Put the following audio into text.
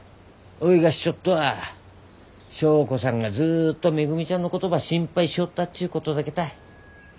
おいが知っちょっとは祥子さんがずっとめぐみちゃんのことば心配しとったっちゅうことだけたい。